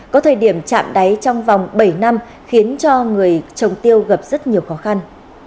có thời điểm chạm đáy trong vòng bảy năm khiến cho người trồng tiêu gặp rất nhiều khó khăn